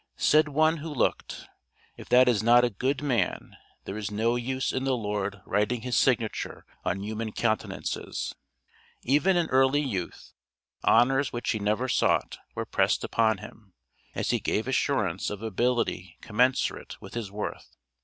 Said one who looked: "If that is not a good man, there is no use in the Lord writing His signature on human countenances." Even in early youth, honors which he never sought, were pressed upon him, as he gave assurance of ability commensurate with his worth.